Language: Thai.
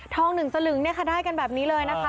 ทอง๑สลึงได้กันแบบนี้เลยนะคะ